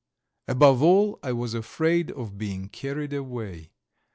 Above all I was afraid of being carried away.